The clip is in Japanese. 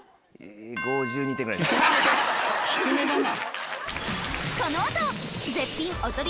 低めだな。